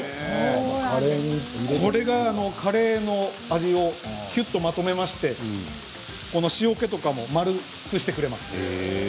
これがカレーの味をきゅっとまとめまして塩けとかも、丸くしてくれます。